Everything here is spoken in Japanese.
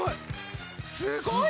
すごい。